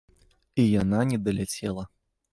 І яна не даляцела.